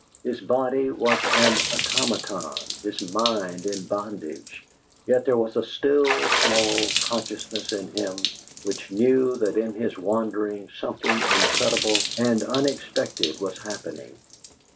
His body was an automaton, his mind in bondage, yet there was a still, small consciousness in him which knew that in his wandering something incredible and unexpected was happening.